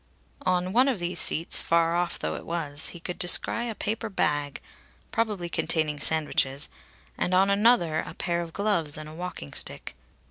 On one of these seats, far off though it was, he could descry a paper bag, probably containing sandwiches, and on another a pair of gloves and a walking stick.